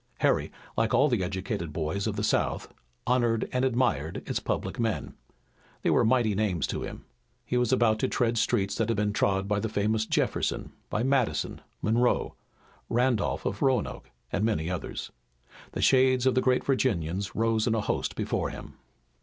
Harry, like all the educated boys of the South, honored and admired its public men. They were mighty names to him. He was about to tread streets that had been trod by the famous Jefferson, by Madison, Monroe, Randolph of Roanoke, and many others. The shades of the great Virginians rose in a host before him.